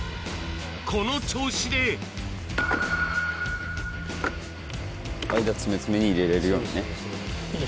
この調子で間つめつめに入れれるようにね。